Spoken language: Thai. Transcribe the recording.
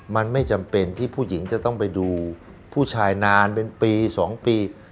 มันไม่จำเป็นที่ผู้หญิงจะต้องไปดูผู้ชายนานเป็นปี๒ปี